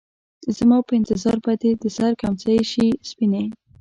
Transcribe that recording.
زما په انتظار به دې د سـر کمڅـۍ شي سپينې